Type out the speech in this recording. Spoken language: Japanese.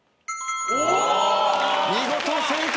見事正解！